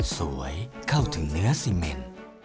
สวยเข้าถึงเนื้อซีเมน